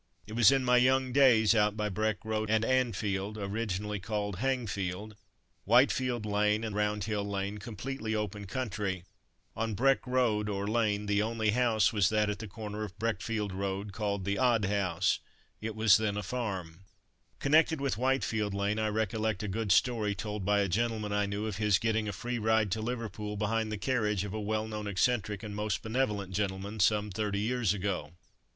It was in my young days out by Breck road and Anfield (originally called Hangfield), Whitefield lane, and Roundhill lane, completely open country. On Breck road or Lane the only house was that at the corner of Breckfield road, called the "Odd House." It was then a farm. Connected with Whitefield lane I recollect a good story told by a gentleman I knew, of his getting a free ride to Liverpool, behind the carriage of a well known eccentric and most benevolent gentleman, some thirty years ago.